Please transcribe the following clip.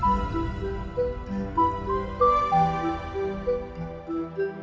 maap gue tuh lagi excited banget